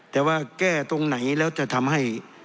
แต่ว่าแก้ตรงไหนแล้วจะทำให้